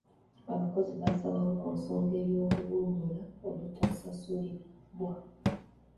Abakozi baasalawo ku nsonga y'oluwummula olutasasulibwa.